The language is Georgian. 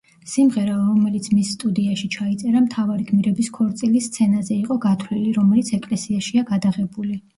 სიმღერა, რომელიც მის სტუდიაში ჩაიწერა, მთავარი გმირების ქორწილის სცენაზე იყო გათვლილი, რომელიც ეკლესიაშია გადაღებული.